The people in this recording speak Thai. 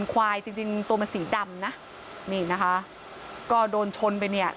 ควายจริงจริงตัวมันสีดำนะนี่นะคะก็โดนชนไปเนี่ย